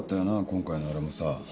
今回のあれもさ。